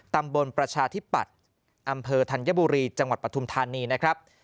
ตำบลประชาธิปัตย์อำเภอธัญบุรีจังหวัดประธุมธานี